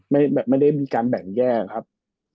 ไม่ได้มีการแบ่งแยกครับ